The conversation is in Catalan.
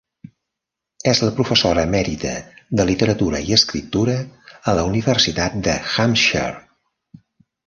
És la professora Emerita de literatura i escriptura a la Universitat de Hampshire.